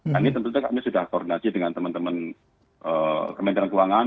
nah ini tentu saja kami sudah koordinasi dengan teman teman pemerintahan keuangan